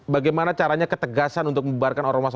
bagaimana caranya ketegasan untuk membuarkan orang mas mas